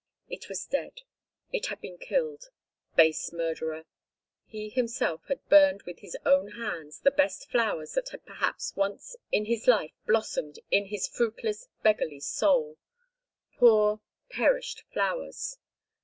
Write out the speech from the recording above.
It was dead. It had been killed. Base murderer! He himself had burned with his own hands the best flowers that had perhaps once in his life blossomed in his fruitless, beggarly soul! Poor perished flowers!